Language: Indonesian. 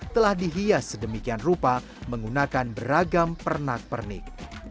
telah dihias sedemikian rupa menggunakan beragam pernak pernik